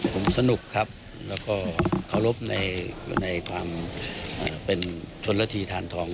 ผมสนุกครับแล้วก็เคารพในความเป็นชนละทีทานทอง